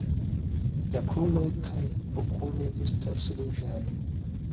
La kruroj kaj okuloj estas ruĝaj.